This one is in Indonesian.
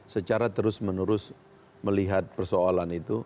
secara terus menerus melihat persoalan itu